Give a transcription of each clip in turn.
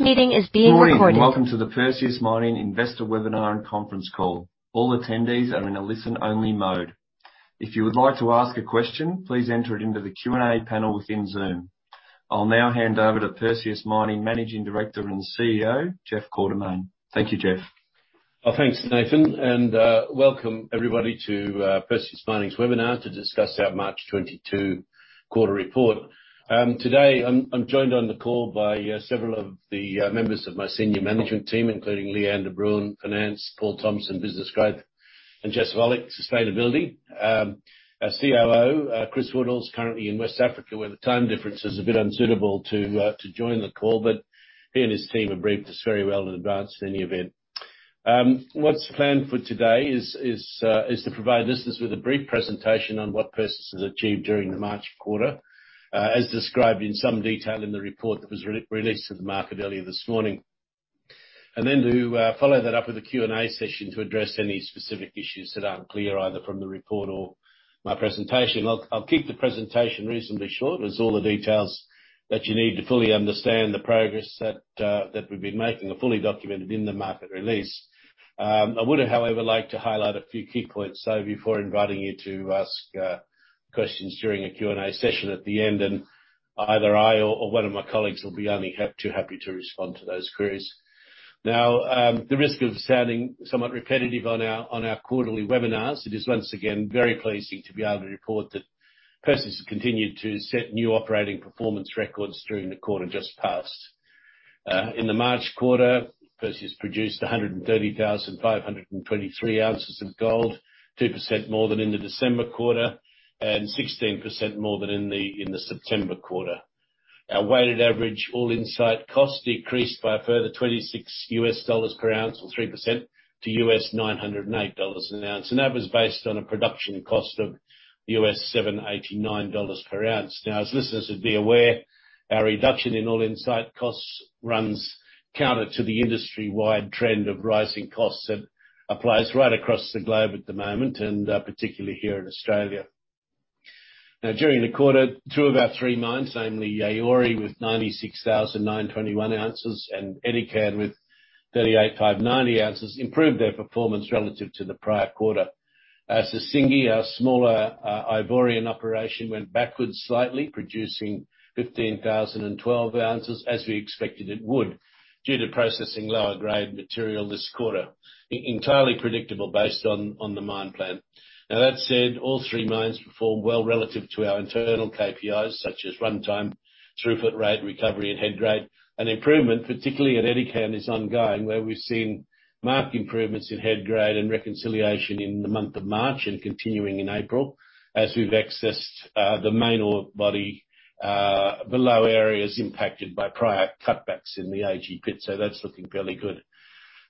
This meeting is being recorded. Good morning, and welcome to the Perseus Mining Investor Webinar and Conference Call. All attendees are in a listen only mode. If you would like to ask a question, please enter it into the Q&A panel within Zoom. I'll now hand over to Perseus Mining Managing Director and CEO, Jeff Quartermaine. Thank you, Jeff. Well, thanks, Nathan, and welcome everybody to Perseus Mining's webinar to discuss our March 2022 quarter report. Today I'm joined on the call by several of the members of my senior management team, including Lee-Anne de Bruin, Finance, Paul Thompson, Business Growth, and Jessica Volich, Sustainability. Our COO, Chris Woodall, is currently in West Africa, where the time difference is a bit unsuitable to join the call. He and his team have briefed us very well in advance in any event. What's planned for today is to provide listeners with a brief presentation on what Perseus has achieved during the March quarter, as described in some detail in the report that was re-released to the market earlier this morning. Then to follow that up with a Q&A session to address any specific issues that aren't clear, either from the report or my presentation. I'll keep the presentation reasonably short, as all the details that you need to fully understand the progress that we've been making are fully documented in the market release. I would, however, like to highlight a few key points, though, before inviting you to ask questions during the Q&A session at the end, and either I or one of my colleagues will be only too happy to respond to those queries. Now, the risk of sounding somewhat repetitive on our quarterly webinars, it is once again very pleasing to be able to report that Perseus has continued to set new operating performance records during the quarter just passed. In the March quarter, Perseus produced 130,523 ounces of gold, 2% more than in the December quarter and 16% more than in the September quarter. Our weighted average all-in site costs decreased by a further $26 per ounce or 3% to $908 an ounce, and that was based on a production cost of $789 per ounce. As listeners would be aware, our reduction in all-in site costs runs counter to the industry-wide trend of rising costs that applies right across the globe at the moment, and particularly here in Australia. During the quarter, two of our three mines, namely Yaouré with 96,921 ounces and Edikan with 38,590 ounces, improved their performance relative to the prior quarter. Sissingué, our smaller, Ivorian operation, went backwards slightly, producing 15,012 ounces as we expected it would, due to processing lower grade material this quarter. Entirely predictable based on the mine plan. Now, that said, all three mines performed well relative to our internal KPIs, such as runtime, throughput rate, recovery and head grade. Improvement, particularly at Edikan, is ongoing, where we've seen marked improvements in head grade and reconciliation in the month of March and continuing in April as we've accessed the main ore body below areas impacted by prior cutbacks in the AG pit. That's looking fairly good.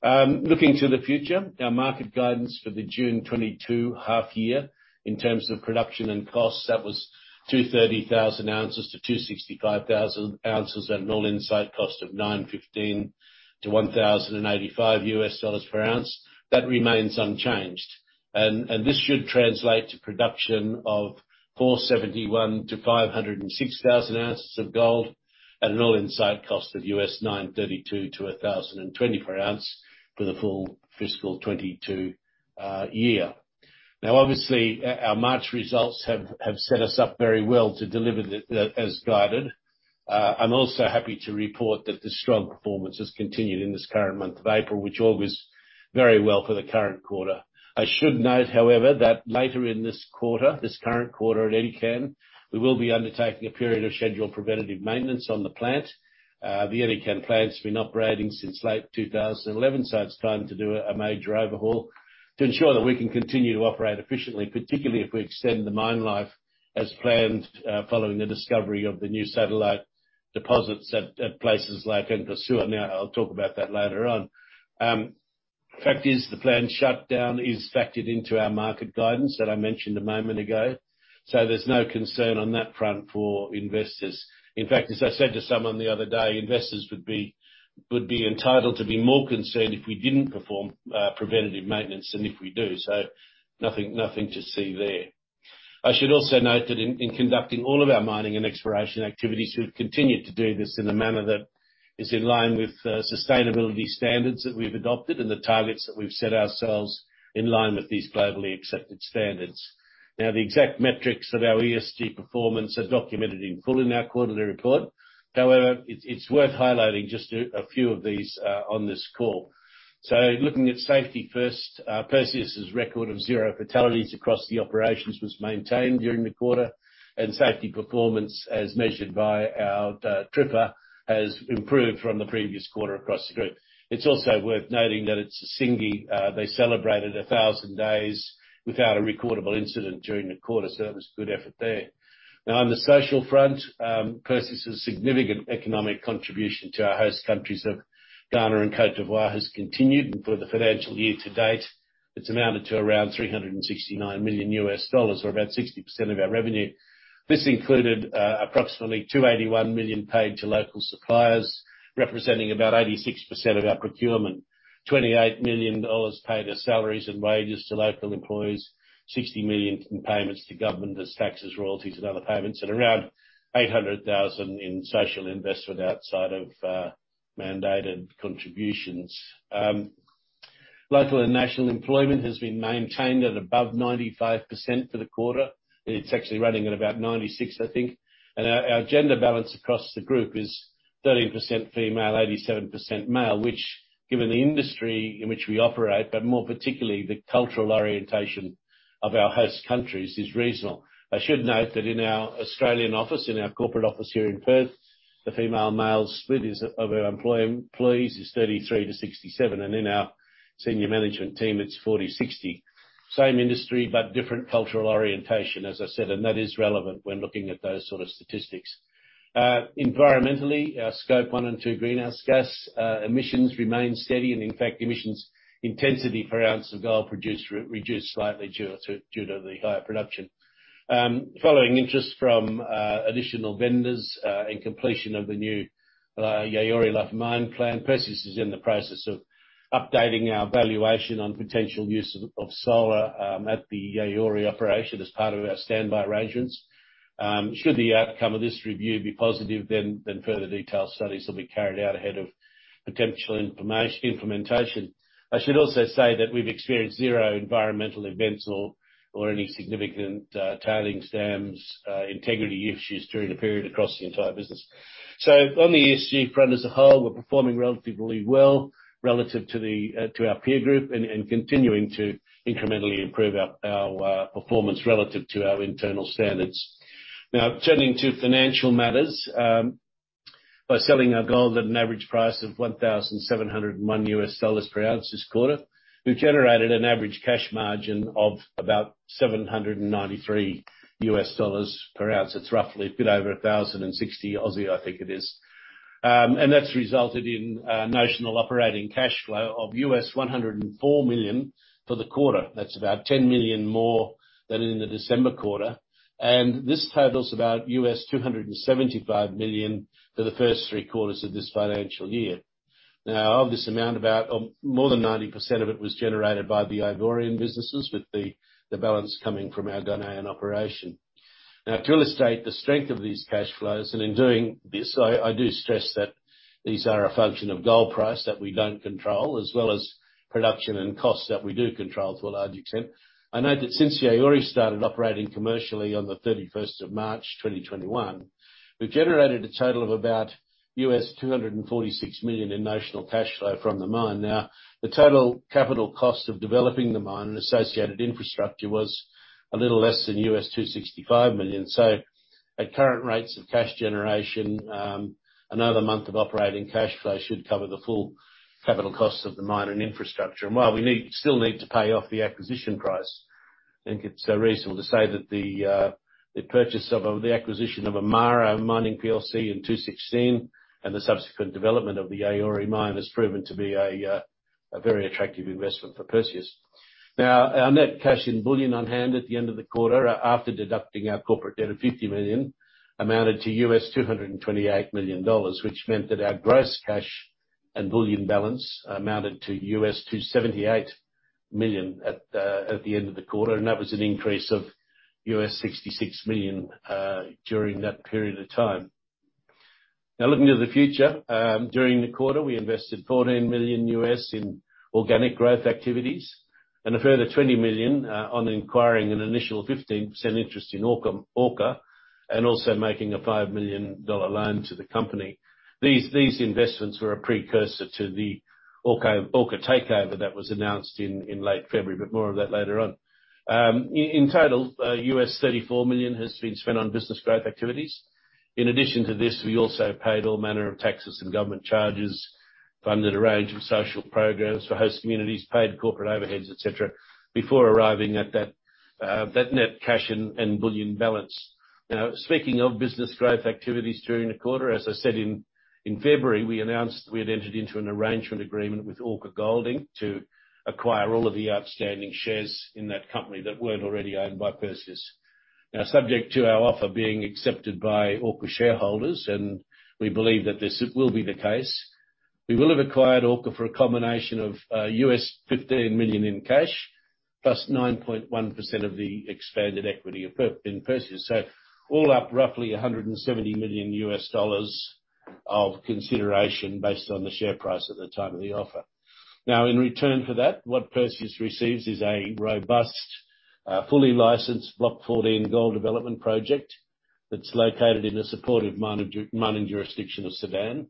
Looking to the future, our market guidance for the June 2022 half year in terms of production and costs, that was 230,000 ounces-265,000 ounces at an all-in site cost of $915-$1,085 per ounce. That remains unchanged. This should translate to production of 471,000-506,000 ounces of gold at an all-in site cost of $932-$1,020 per ounce for the full fiscal 2022 year. Now obviously, our March results have set us up very well to deliver as guided. I'm also happy to report that the strong performance has continued in this current month of April, which augurs very well for the current quarter. I should note, however, that later in this quarter, this current quarter at Edikan, we will be undertaking a period of scheduled preventative maintenance on the plant. The Edikan plant's been operating since late 2011, so it's time to do a major overhaul to ensure that we can continue to operate efficiently, particularly if we extend the mine life as planned, following the discovery of the new satellite deposits at places like Nkosuo. Now, I'll talk about that later on. Fact is, the planned shutdown is factored into our market guidance that I mentioned a moment ago, so there's no concern on that front for investors. In fact, as I said to someone the other day, investors would be entitled to be more concerned if we didn't perform preventative maintenance than if we do. Nothing to see there. I should also note that in conducting all of our mining and exploration activities, we've continued to do this in a manner that is in line with the sustainability standards that we've adopted and the targets that we've set ourselves in line with these globally accepted standards. Now, the exact metrics of our ESG performance are documented in full in our quarterly report. However, it's worth highlighting just a few of these on this call. Looking at safety first, Perseus' record of zero fatalities across the operations was maintained during the quarter, and safety performance, as measured by our TRIFR, has improved from the previous quarter across the group. It's also worth noting that at Sissingué, they celebrated 1,000 days without a recordable incident during the quarter, so that was good effort there. Now, on the social front, Perseus' significant economic contribution to our host countries of Ghana and Côte d'Ivoire has continued, and for the financial year to date, it's amounted to around $369 million, or about 60% of our revenue. This included approximately $281 million paid to local suppliers, representing about 86% of our procurement. $28 million paid as salaries and wages to local employees, $60 million in payments to government as taxes, royalties, and other payments, and around $800,000 in social investment outside of mandated contributions. Local and national employment has been maintained at above 95% for the quarter. It's actually running at about 96%, I think. Our gender balance across the group is 13% female, 87% male, which given the industry in which we operate, but more particularly, the cultural orientation of our host countries, is reasonable. I should note that in our Australian office, in our corporate office here in Perth, the female-male split of our employees is 33-67, and in our senior management team, it's 40-60. Same industry, but different cultural orientation, as I said, and that is relevant when looking at those sort of statistics. Environmentally, our Scope 1 and 2 greenhouse gas emissions remain steady, and in fact, emissions intensity per ounce of gold produced reduced slightly due to the higher production. Following interest from additional vendors and completion of the new Yaouré life mine plan, Perseus is in the process of updating our valuation on potential use of solar at the Yaouré operation as part of our standby arrangements. Should the outcome of this review be positive then further detailed studies will be carried out ahead of potential implementation. I should also say that we've experienced zero environmental events or any significant tailings dams integrity issues during the period across the entire business. On the ESG front as a whole, we're performing relatively well relative to our peer group and continuing to incrementally improve our performance relative to our internal standards. Now, turning to financial matters, by selling our gold at an average price of $1,701 per ounce this quarter, we've generated an average cash margin of about $793 per ounce. It's roughly a bit over 1,060, I think it is. That's resulted in a notional operating cash flow of $104 million for the quarter. That's about $10 million more than in the December quarter. This totals about $275 million for the first three quarters of this financial year. Now of this amount, about, more than 90% of it was generated by the Ivorian businesses with the balance coming from our Ghanaian operation. Now to illustrate the strength of these cash flows, and in doing this, I do stress that these are a function of gold price that we don't control, as well as production and costs that we do control to a large extent. I note that since Yaouré started operating commercially on the thirty-first of March, 2021, we've generated a total of about $246 million in notional cash flow from the mine. Now, the total capital cost of developing the mine and associated infrastructure was a little less than $265 million. At current rates of cash generation, another month of operating cash flow should cover the full capital cost of the mine and infrastructure. While we need, still need to pay off the acquisition price, I think it's reasonable to say that the acquisition of Amara Mining PLC in 2016 and the subsequent development of the Yaouré mine has proven to be a very attractive investment for Perseus. Now, our net cash and bullion on hand at the end of the quarter, after deducting our corporate debt of $50 million, amounted to $228 million, which meant that our gross cash and bullion balance amounted to $278 million at the end of the quarter, and that was an increase of $66 million during that period of time. Now looking to the future, during the quarter, we invested $14 million in organic growth activities and a further $20 million on acquiring an initial 15% interest in Orca and also making a $5 million loan to the company. These investments were a precursor to the Orca takeover that was announced in late February, but more of that later on. In total, $34 million has been spent on business growth activities. In addition to this, we also paid all manner of taxes and government charges, funded a range of social programs for host communities, paid corporate overheads, et cetera, before arriving at that net cash and bullion balance. Now, speaking of business growth activities during the quarter, as I said in February, we announced we had entered into an arrangement agreement with Orca Gold Inc. to acquire all of the outstanding shares in that company that weren't already owned by Perseus. Now, subject to our offer being accepted by Orca shareholders, and we believe that this will be the case, we will have acquired Orca for a combination of $15 million in cash, plus 9.1% of the expanded equity in Perseus. All up, roughly $170 million of consideration based on the share price at the time of the offer. Now, in return for that, what Perseus receives is a robust, fully licensed Block 14 gold development project that's located in the supportive mining jurisdiction of Sudan,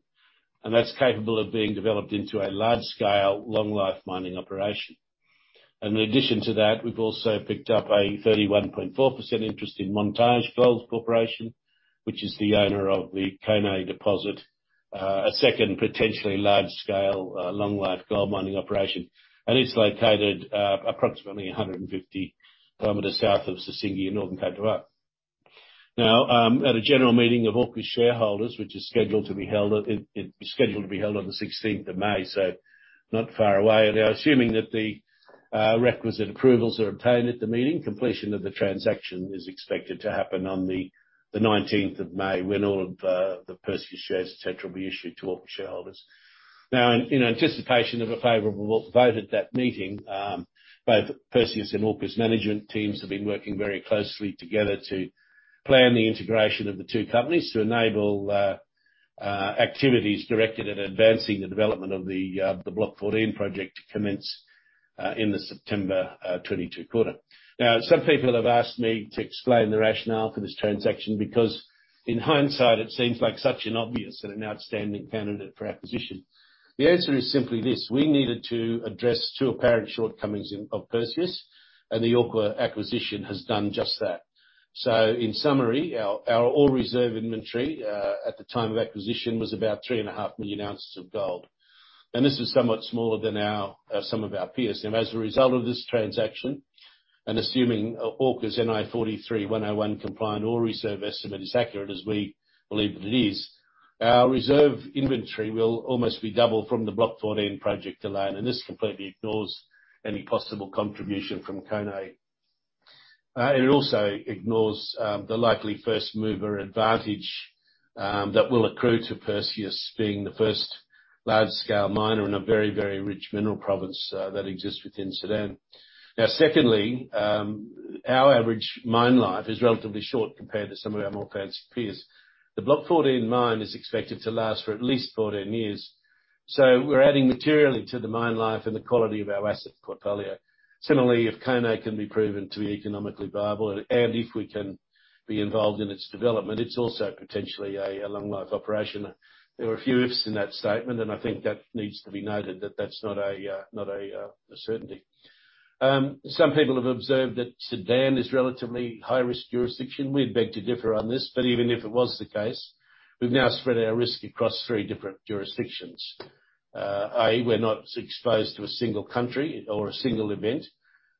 and that's capable of being developed into a large scale, long life mining operation. In addition to that, we've also picked up a 31.4% interest in Montage Gold Corporation, which is the owner of the Koné deposit, a second potentially large scale, long life gold mining operation. It's located approximately 150 km south of Sissingué in northern Côte d'Ivoire. Now, at a general meeting of Orca shareholders, which is scheduled to be held on the 16th of May, so not far away. Assuming that the requisite approvals are obtained at the meeting. Completion of the transaction is expected to happen on the nineteenth of May when all of the Perseus shares, et cetera, will be issued to Orca shareholders. Now, in anticipation of a favorable vote at that meeting, both Perseus and Orca's management teams have been working very closely together to plan the integration of the two companies to enable activities directed at advancing the development of the Block 14 project to commence in the September 2022 quarter. Now, some people have asked me to explain the rationale for this transaction because in hindsight it seems like such an obvious and an outstanding candidate for acquisition. The answer is simply this: We needed to address two apparent shortcomings in of Perseus, and the Orca acquisition has done just that. In summary, our ore reserve inventory at the time of acquisition was about 3.5 million ounces of gold. This is somewhat smaller than some of our peers. As a result of this transaction, and assuming Orca's NI 43-101 compliant ore reserve estimate is accurate as we believe that it is, our reserve inventory will almost be double from the Block 14 project alone, and this completely ignores any possible contribution from Koné. It also ignores the likely first mover advantage that will accrue to Perseus being the first large scale miner in a very, very rich mineral province that exists within Sudan. Now secondly, our average mine life is relatively short compared to some of our more fancy peers. The Block 14 mine is expected to last for at least 14 years. We're adding materially to the mine life and the quality of our asset portfolio. Similarly, if Koné can be proven to be economically viable and if we can be involved in its development, it's also potentially a long life operation. There are a few ifs in that statement, and I think that needs to be noted that that's not a certainty. Some people have observed that Sudan is relatively high-risk jurisdiction. We'd beg to differ on this, but even if it was the case, we've now spread our risk across three different jurisdictions. And we're not exposed to a single country or a single event.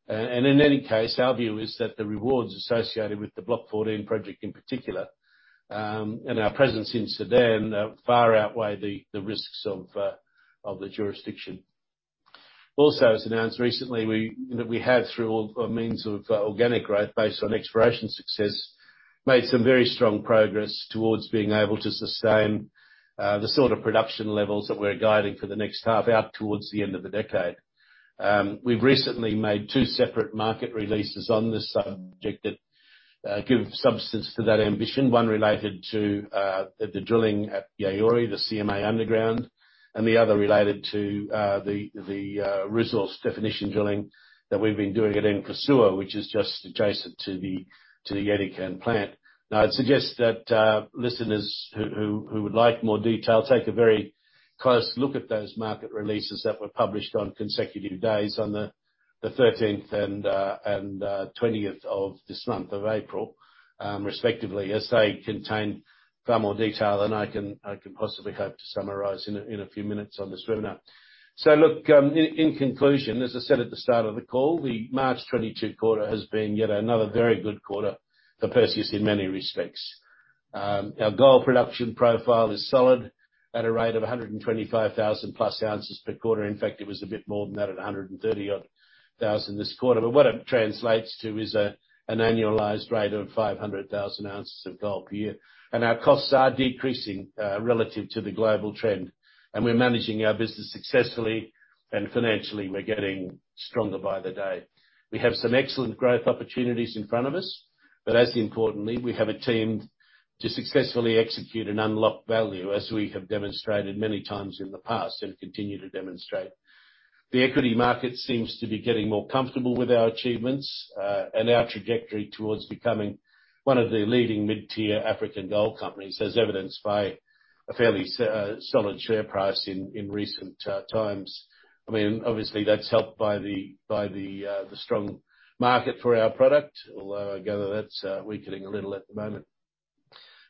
And in any case, our view is that the rewards associated with the Block 14 project in particular, and our presence in Sudan, far outweigh the risks of the jurisdiction. As announced recently, we, you know, we had through all means of organic growth based on exploration success, made some very strong progress towards being able to sustain the sort of production levels that we're guiding for the next half out towards the end of the decade. We've recently made two separate market releases on this subject that give substance to that ambition, one related to the drilling at Yaouré, the CMA underground, and the other related to the resource definition drilling that we've been doing at Nkosuo, which is just adjacent to the Edikan plant. Now, I'd suggest that listeners who would like more detail take a very close look at those market releases that were published on consecutive days on the 13th and 20th of this month of April, respectively, as they contain far more detail than I can possibly hope to summarize in a few minutes on this webinar. Now look, in conclusion, as I said at the start of the call, the March 2022 quarter has been yet another very good quarter for Perseus in many respects. Our gold production profile is solid at a rate of 125,000+ ounces per quarter. In fact, it was a bit more than that at 130,000-odd this quarter. What it translates to is an annualized rate of 500,000 ounces of gold per year. Our costs are decreasing relative to the global trend. We're managing our business successfully and financially, we're getting stronger by the day. We have some excellent growth opportunities in front of us, but as importantly, we have a team to successfully execute and unlock value as we have demonstrated many times in the past and continue to demonstrate. The equity market seems to be getting more comfortable with our achievements and our trajectory towards becoming one of the leading mid-tier African gold companies, as evidenced by a fairly solid share price in recent times. I mean, obviously that's helped by the strong market for our product, although I gather that's weakening a little at the moment.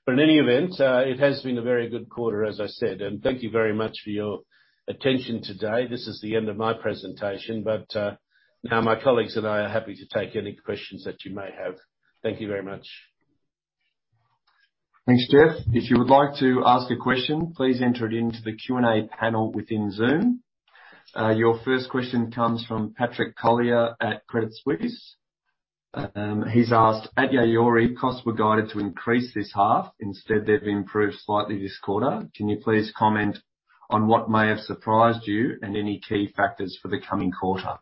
In any event, it has been a very good quarter, as I said. Thank you very much for your attention today. This is the end of my presentation. Now my colleagues and I are happy to take any questions that you may have. Thank you very much. Thanks, Jeff. If you would like to ask a question, please enter it into the Q&A panel within Zoom. Your first question comes from Patrick Collier at Credit Suisse. He's asked, "At Yaouré, costs were guided to increase this half. Instead, they've improved slightly this quarter. Can you please comment on what may have surprised you and any key factors for the coming quarter?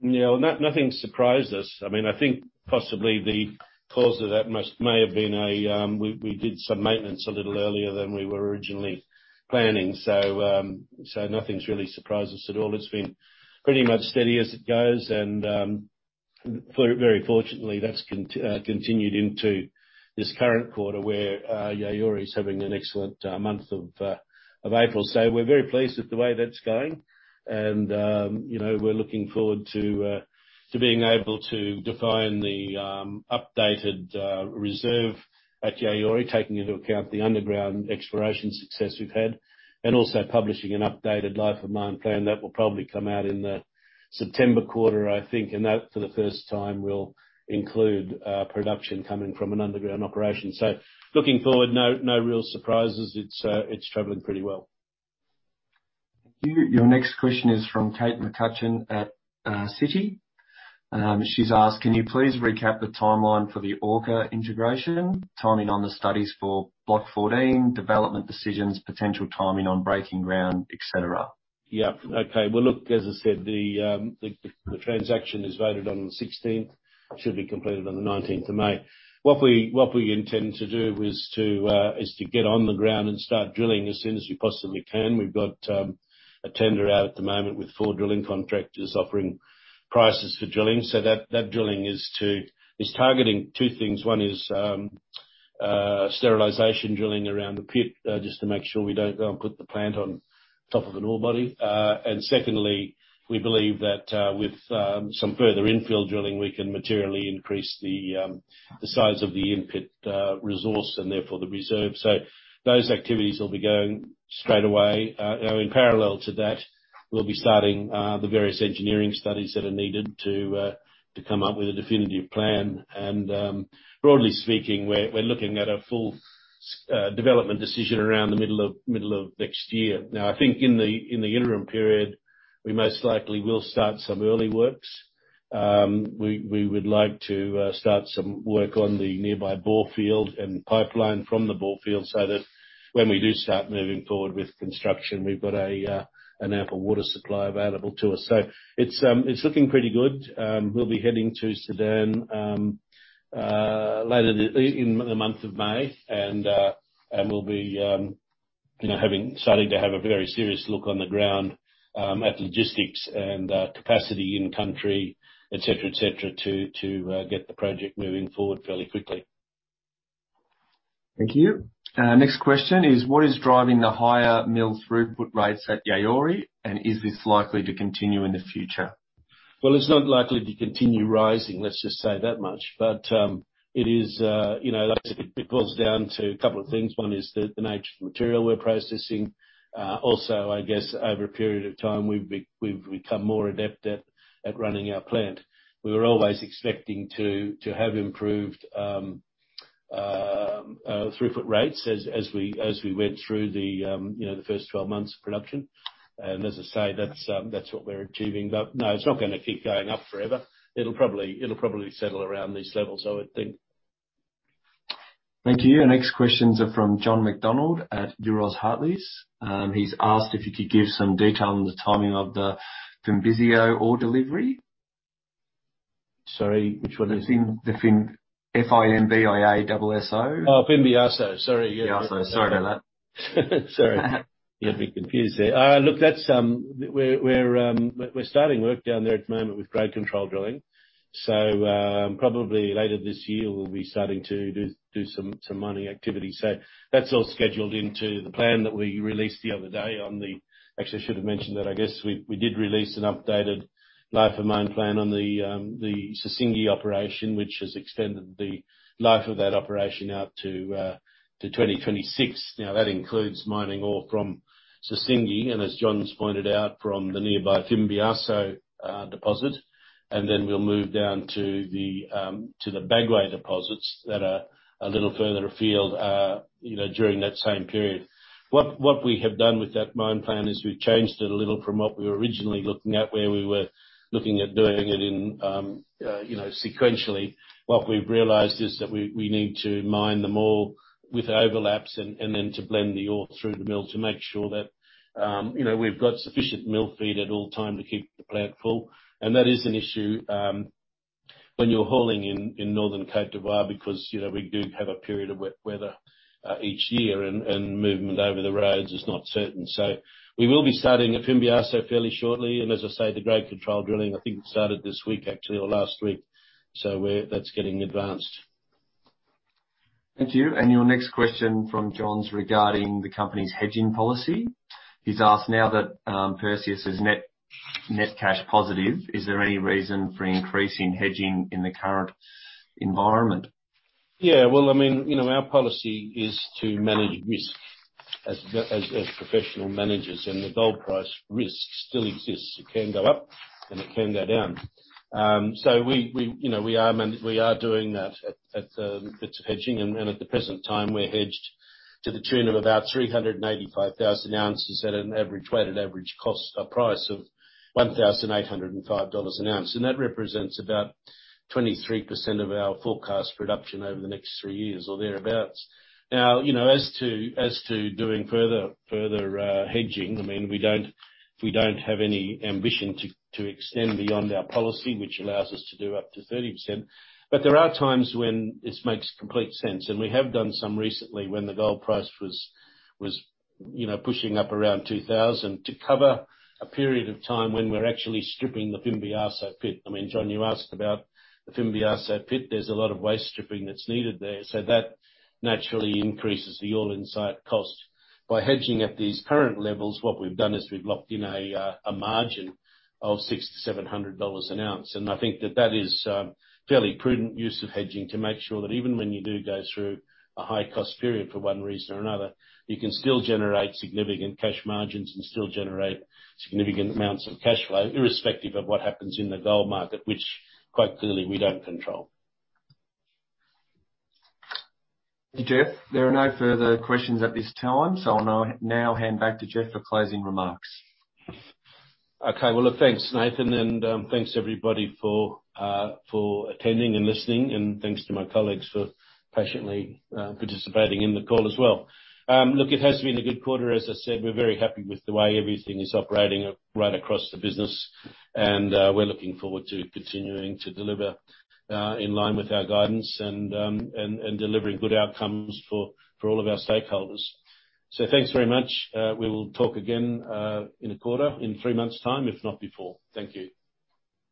No, nothing surprised us. I mean, I think possibly the cause of that may have been we did some maintenance a little earlier than we were originally planning. Nothing's really surprised us at all. It's been pretty much steady as it goes and very fortunately, that's continued into this current quarter where Yaouré is having an excellent month of April. We're very pleased with the way that's going and you know, we're looking forward to being able to define the updated reserve at Yaouré, taking into account the underground exploration success we've had and also publishing an updated life of mine plan that will probably come out in the September quarter, I think. That, for the first time, will include production coming from an underground operation. Looking forward, no real surprises. It's traveling pretty well. Thank you. Your next question is from Kate McCutcheon at Citi. She's asked, "Can you please recap the timeline for the Orca integration, timing on the studies for Block 14, development decisions, potential timing on breaking ground, et cetera? Yeah. Okay. Well, look, as I said, the transaction is voted on the sixteenth. It should be completed on the nineteenth of May. What we intend to do is to get on the ground and start drilling as soon as we possibly can. We've got a tender out at the moment with four drilling contractors offering prices for drilling. So that drilling is targeting two things. One is sterilization drilling around the pit just to make sure we don't go and put the plant on top of an ore body. Secondly, we believe that with some further infill drilling, we can materially increase the size of the in-pit resource, and therefore the reserve. Those activities will be going straight away. You know, in parallel to that, we'll be starting the various engineering studies that are needed to come up with a definitive plan. Broadly speaking, we're looking at a full development decision around the middle of next year. Now, I think in the interim period, we most likely will start some early works. We would like to start some work on the nearby borefield and pipeline from the borefield, so that when we do start moving forward with construction, we've got an ample water supply available to us. It's looking pretty good. We'll be heading to Sudan later in the month of May. We'll be, you know, starting to have a very serious look on the ground at the logistics and capacity in country, et cetera, et cetera, to get the project moving forward fairly quickly. Thank you. Next question is, what is driving the higher mill throughput rates at Yaouré, and is this likely to continue in the future? Well, it's not likely to continue rising, let's just say that much. It is, you know, like I said, it boils down to a couple of things. One is the nature of the material we're processing. Also, I guess over a period of time, we've become more adept at running our plant. We were always expecting to have improved throughput rates as we went through, you know, the first twelve months of production. As I say, that's what we're achieving. No, it's not gonna keep going up forever. It'll probably settle around these levels, I would think. Thank you. Our next questions are from John MacDonald at Euroz Hartleys. He's asked if you could give some detail on the timing of the Fimbiasso ore delivery. Sorry, which one is it? The F-I-M-B-I-A-S-S-O. Oh, Fimbiasso. Sorry, yeah. Fimbiasso. Sorry about that. Sorry. You had me confused there. Look, that's, we're starting work down there at the moment with grade control drilling. Probably later this year, we'll be starting to do some mining activity. That's all scheduled into the plan that we released the other day. Actually, I should have mentioned that I guess we did release an updated life of mine plan on the Sissingué operation, which has extended the life of that operation out to 2026. Now, that includes mining ore from Sissingué and, as John's pointed out, from the nearby Fimbiasso deposit. Then we'll move down to the Bagoé deposits that are a little further afield, you know, during that same period. What we have done with that mine plan is we've changed it a little from what we were originally looking at, where we were looking at doing it in, you know, sequentially. What we've realized is that we need to mine them all with overlaps and then to blend the ore through the mill to make sure that, you know, we've got sufficient mill feed at all time to keep the plant full. That is an issue when you're hauling in northern Côte d'Ivoire because, you know, we do have a period of wet weather each year and movement over the roads is not certain. We will be starting at Fimbiasso fairly shortly. As I say, the grade control drilling, I think it started this week actually, or last week. That's getting advanced. Thank you. Your next question from John’s regarding the company's hedging policy. He's asked, "Now that Perseus is net cash positive, is there any reason for increasing hedging in the current environment? Yeah. Well, I mean, you know, our policy is to manage risk as professional managers. The gold price risk still exists. It can go up, and it can go down. We, you know, we are doing that at bits of hedging. At the present time, we're hedged to the tune of about 385,000 ounces at an average weighted average cost price of $1,805 an ounce. That represents about 23% of our forecast production over the next 3 years or thereabouts. Now, you know, as to doing further hedging, I mean, we don't have any ambition to extend beyond our policy, which allows us to do up to 30%. There are times when this makes complete sense. We have done some recently when the gold price was you know pushing up around $2,000 to cover a period of time when we're actually stripping the Fimbiasso pit. I mean, John, you asked about the Fimbiasso pit. There's a lot of waste stripping that's needed there. So that naturally increases the all-in site cost. By hedging at these current levels, what we've done is we've locked in a margin of $600-$700 an ounce. I think that is fairly prudent use of hedging to make sure that even when you do go through a high-cost period for one reason or another, you can still generate significant cash margins and still generate significant amounts of cash flow, irrespective of what happens in the gold market, which quite clearly we don't control. Thank you, Jeff. There are no further questions at this time. I'll now hand back to Jeff for closing remarks. Okay. Well, look, thanks, Nathan. Thanks everybody for attending and listening. Thanks to my colleagues for patiently participating in the call as well. Look, it has been a good quarter. As I said, we're very happy with the way everything is operating right across the business. We're looking forward to continuing to deliver in line with our guidance and delivering good outcomes for all of our stakeholders. Thanks very much. We will talk again in a quarter, in three months' time, if not before. Thank you.